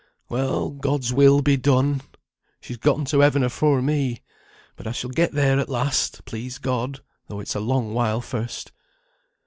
Well, God's will be done! She's gotten to heaven afore me; but I shall get there at last, please God, though it's a long while first.